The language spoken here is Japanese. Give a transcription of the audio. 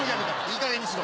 いいかげんにしろ。